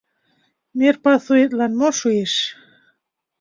Мер пасуэтлан мо шуэш?